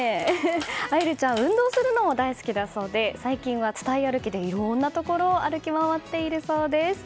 愛桜ちゃん、運動するのも大好きだそうで最近は伝い歩きでいろんなところを歩き回っているそうです。